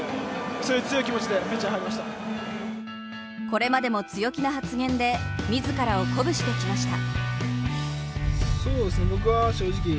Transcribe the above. これまでも強気な発言で自らを鼓舞してきました。